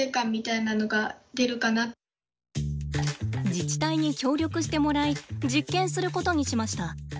自治体に協力してもらい実験することにしました。